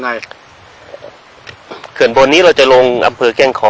ไงเขื่อนบนนี้เราจะลงอำเมืองแกล้งคอ